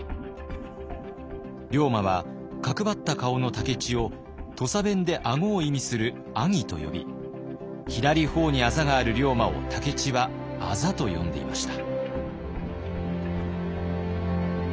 龍馬は角張った顔の武市を土佐弁で顎を意味する「アギ」と呼び左頬にあざがある龍馬を武市は「アザ」と呼んでいました。